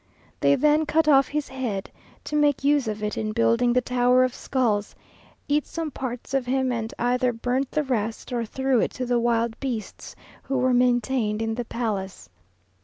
They then cut off his head, to make use of it in building the tower of skulls, eat some parts of him, and either burnt the rest, or threw it to the wild beasts who were maintained in the palace.